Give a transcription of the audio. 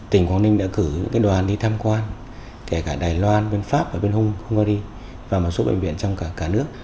tỉnh quang ninh đã cử đoàn đi tham quan kể cả đài loan pháp hungary và một số bệnh viện trong cả nước